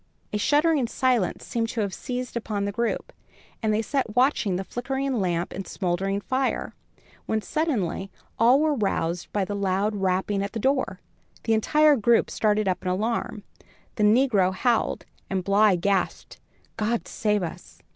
A shuddering silence seemed to have seized upon the group, and they sat watching the flickering lamp and smouldering fire, when suddenly all were roused by a loud rapping at the door. The entire group started up in alarm, the negro howled, and Bly gasped: "God save us!"